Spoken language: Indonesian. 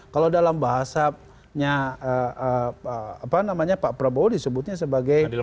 kalau dalam bahasanya pak prabowo disebutnya sebagai